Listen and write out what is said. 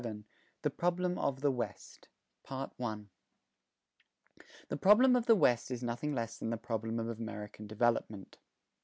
VII THE PROBLEM OF THE WEST[205:1] The problem of the West is nothing less than the problem of American development.